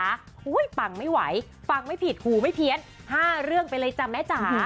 โอ้โหปังไม่ไหวฟังไม่ผิดหูไม่เพี้ยน๕เรื่องไปเลยจ้ะแม่จ๋า